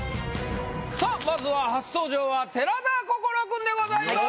さあまずは初登場は寺田心君でございます。